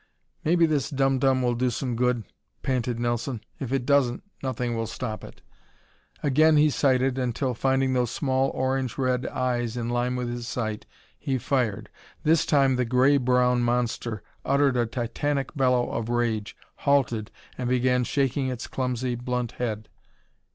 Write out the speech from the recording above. "Maybe this dum dum will do some good," panted Nelson. "If it doesn't, nothing will stop it!" Again he sighted until, finding those small, orange red eyes in line with his sight, he fired. This time the gray brown monster uttered a titantic bellow of rage, halted, and began shaking its clumsy blunt head.